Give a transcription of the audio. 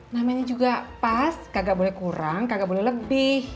namanya juga pas kagak boleh kurang kagak boleh lebih